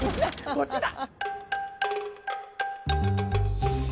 こっちだ！